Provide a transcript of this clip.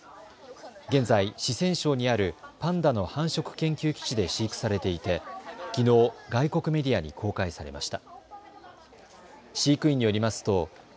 現在、四川省にあるパンダの繁殖研究基地で飼育されていてきのう外国メディアに公開されました。